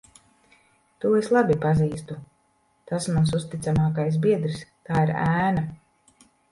To es labi pazīstu. Tas mans uzticamākais biedrs. Tā ir ēna.